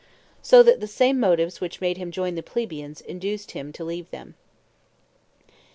So that the same motives which made him join the plebeians induced him to leave them.